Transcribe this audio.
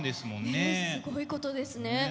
ねえすごいことですね。